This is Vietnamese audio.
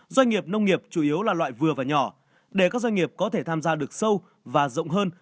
doanh nghiệp nông nghiệp chủ yếu là loại vừa và nhỏ để các doanh nghiệp có thể tham gia được sâu và rộng hơn